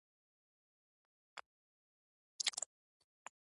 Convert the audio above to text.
په فېسبوک کې خلک د خپلو شخصیتي تجربو بیان کوي